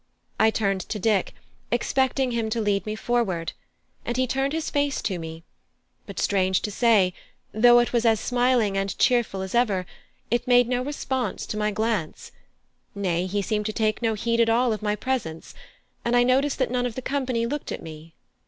I turned to Dick, expecting him to lead me forward, and he turned his face to me; but strange to say, though it was as smiling and cheerful as ever, it made no response to my glance nay, he seemed to take no heed at all of my presence, and I noticed that none of the company looked at me.